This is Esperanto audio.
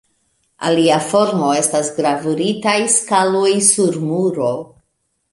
Alia formo estas gravuritaj skaloj sur muro.